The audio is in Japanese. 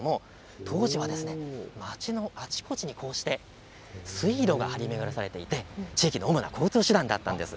当時は町のあちこちに水路が張り巡らされていて地域の主な交通手段だったんです。